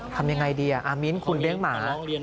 ทำยังไงดีอามิ้นคุณเลี้ยงหมา